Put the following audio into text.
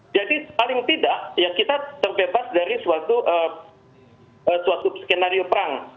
jadi paling tidak kita terbebas dari suatu skenario perang